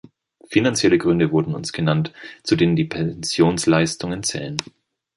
Finanzielle Gründe wurden uns genannt, zu denen die Pensionsleistungen zählen.